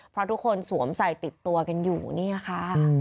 เพราะทุกคนสวมใส่ติดตัวกันอยู่เนี่ยค่ะ